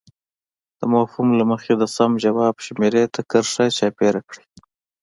د مفهوم له مخې د سم ځواب شمیرې ته کرښه چاپېر کړئ.